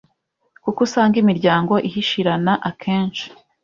kuko usanga imiryango ihishirana akenshi